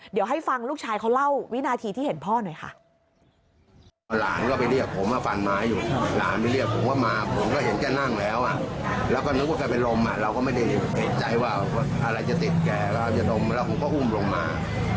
เดี๋ยวให้ฟังลูกชายเขาเล่าวินาทีที่เห็นพ่อหน่อยค่ะ